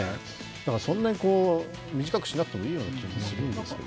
だからそんなに短くしなくてもいいような気がしますけどね。